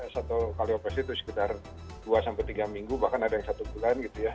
satu kali operasi itu sekitar dua sampai tiga minggu bahkan ada yang satu bulan gitu ya